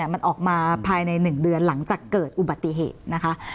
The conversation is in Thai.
มันออกมาภายใน๑เดือนหลังจากเกิดอุบัติเหตุนะคะ